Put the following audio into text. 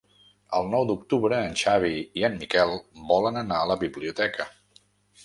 El nou d'octubre en Xavi i en Miquel volen anar a la biblioteca.